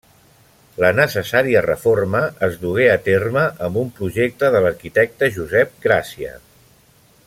La necessària reforma es dugué a terme amb un projecte de l’arquitecte Josep Gràcia.